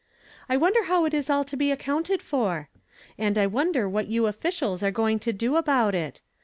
I wonder how it is all to be accounted for^ And I wonder what you officials are going to do about t?